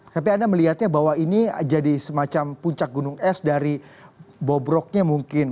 tapi anda melihatnya bahwa ini jadi semacam puncak gunung es dari bobroknya mungkin